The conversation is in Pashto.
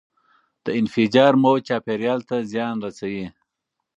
د انفجار موج چاپیریال ته زیان رسوي.